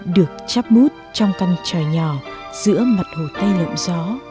được chắp mút trong căn trời nhỏ giữa mặt hồ tây lộn gió